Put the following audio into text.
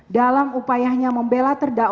dalam upayanya membela terdakwa